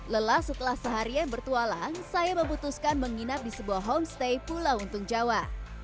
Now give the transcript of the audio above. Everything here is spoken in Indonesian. lelah setelah seharian bertualang saya memutuskan menginap di sebuah homestay pulau untung jawa